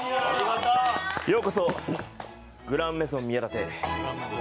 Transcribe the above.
ようこそグランメゾン宮舘へ。